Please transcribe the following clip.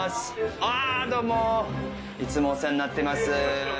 あどうもいつもお世話になってます。